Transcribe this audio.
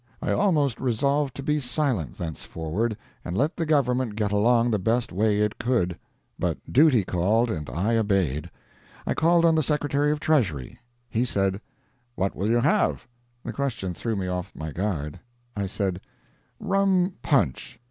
I almost resolved to be silent thenceforward, and let the Government get along the best way it could. But duty called, and I obeyed. I called on the Secretary of the Treasury. He said: "What will you have?" The question threw me off my guard. I said, "Rum punch."